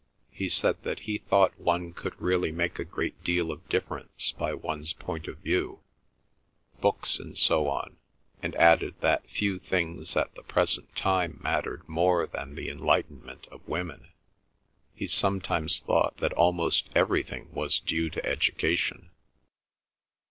He said that he thought one could really make a great deal of difference by one's point of view, books and so on, and added that few things at the present time mattered more than the enlightenment of women. He sometimes thought that almost everything was due to education.